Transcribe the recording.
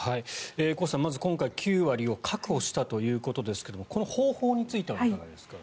越さん、まず今回９割を確保したということですがこの方法についてはいかがですか？